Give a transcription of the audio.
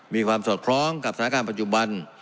มีความสอดคล้องกับสถานการณ์ปัจจุบัน